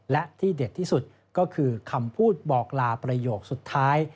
และที่เด็ดที่สุดก็คือคำพูดบอกลาประโยคสุดท้าย